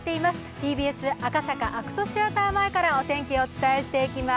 ＴＢＳ赤坂ＡＣＴシアター前からお届けしています。